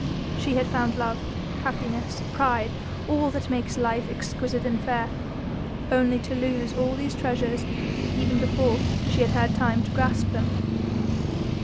She had found love, happiness, pride, all that makes life exquisite and fair, only to lose all these treasures even before she had had time to grasp them.